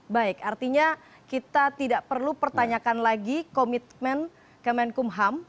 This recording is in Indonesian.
baik artinya kita tidak perlu pertanyakan lagi komitmen kemenkumham